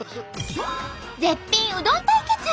絶品うどん対決！